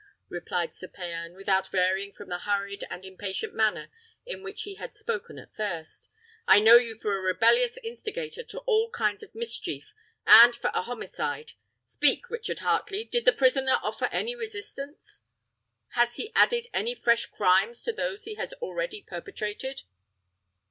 replied Sir Payan, without varying from the hurried and impatient manner in which he had spoken at first. "I know you for a rebellious instigator to all kinds of mischief, and for a homicide. Speak, Richard Heartley; did the prisoner offer any resistance? Has he added any fresh crimes to those he has already perpetrated?"